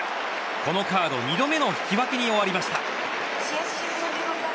このカード２度目の引き分けに終わりました。